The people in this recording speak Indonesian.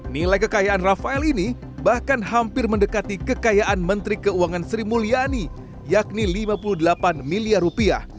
nilai kekayaan rafael ini bahkan hampir mendekati kekayaan menteri keuangan sri mulyani yakni lima puluh delapan miliar rupiah